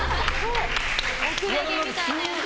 後れ毛みたいなやつ。